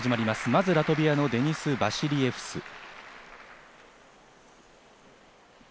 まずはラトビアのデニス・バシリエフス。